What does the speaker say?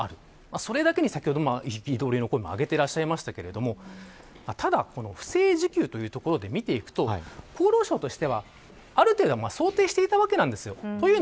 それだけに憤りの声も上げていましたがただ不正受給ということで見ていくと厚労省としては、ある程度予想していたわけです。